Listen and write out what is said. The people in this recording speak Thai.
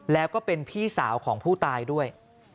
แล้วก็เป็นพี่สาวของผู้ตายด้วย